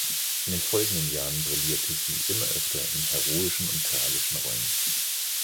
In den folgenden Jahren brillierte sie immer öfter in heroischen und tragischen Rollen.